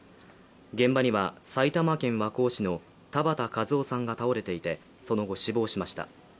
現場には、埼玉県和光市の田畑和雄さんが倒れていてその後、死亡しました。